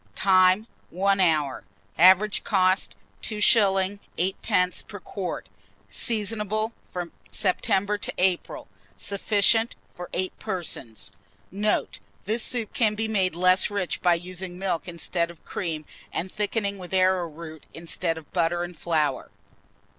Time. 1 hour. Average cost, 2s. 8d. per quart. Seasonable from September to April. Sufficient for 8 persons. Note. This soup can be made less rich by using milk instead of cream, and thickening with arrowroot instead of butter and flour.